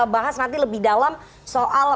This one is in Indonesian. bahas nanti lebih dalam soal